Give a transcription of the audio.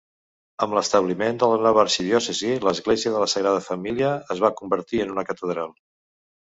Amb l'establiment de la nova arxidiòcesi, l'església de la Sagrada Família es va convertir en una catedral.